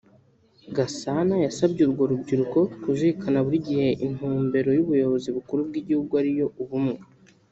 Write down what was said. Gasana yasabye urwo rubyiruko kuzirikana buri gihe intumbero y’ubuyobozi bukuru bw’igihugu ari yo ’Ubumwe